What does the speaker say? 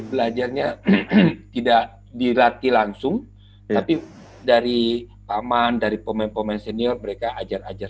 belajarnya tidak dilatih langsung tapi dari paman dari pemain pemain senior mereka ajar ajar